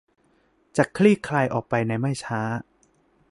จะคลี่คลายออกไปในไม่ช้า